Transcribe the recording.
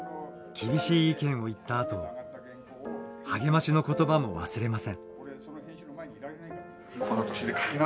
厳しい意見を言ったあと励ましの言葉も忘れません。